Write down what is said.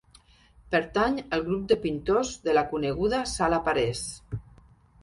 Pertany al grup de pintors de la coneguda Sala Parés.